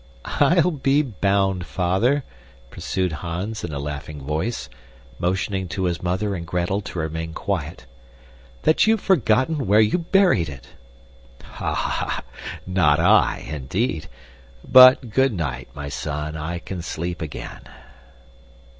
"I'll be bound, Father," pursued Hans in a laughing voice, motioning to his mother and Gretel to remain quiet, "that you've forgotten where you buried it." "Ha! ha! Not I, indeed. But good night, my son, I can sleep again."